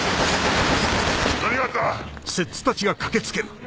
何があった！